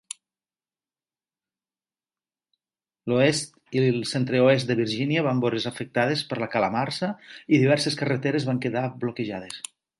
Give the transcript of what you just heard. L'oest i el centre-oest de Virgínia van veure's afectades per la calamarsa i diverses carreteres van quedar bloquejades.